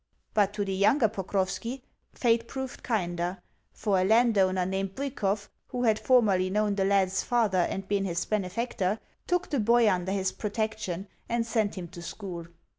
But to the younger Pokrovski, fate proved kinder, for a landowner named Bwikov, who had formerly known the lad's father and been his benefactor, took the boy under his protection, and sent him to school.